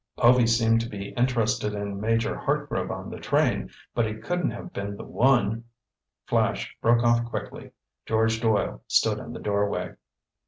"Povy seemed to be interested in Major Hartgrove on the train. But he couldn't have been the one—" Flash broke off quickly. George Doyle stood in the doorway.